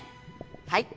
はい！